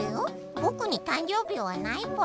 ぼくに誕生日はないぽよ。